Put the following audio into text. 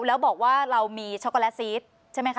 แล้วบอกว่าเรามีช็อกโกแลตซีสใช่ไหมคะ